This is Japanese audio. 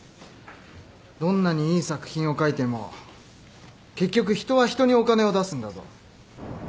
どんなにいい作品を書いても結局人は人にお金を出すんだぞ。